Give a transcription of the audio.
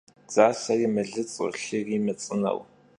Dzaseri mılıts'u, lıri mıts'ıneu.